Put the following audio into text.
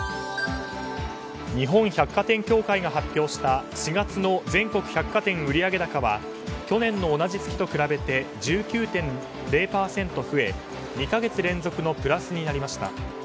日本百貨店協会が発表した４月の全国百貨店売上高は去年の同じ月と比べて１９．０％増え２か月連続のプラスになりました。